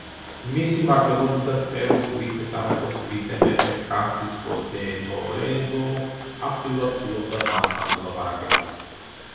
მისი მმართველობისას, პერუს ვიცე-სამეფოს ვიცე-მეფე, ფრანსისკო დე ტოლედო აქტიურად ცდილობდა მასთან მოლაპარაკებას.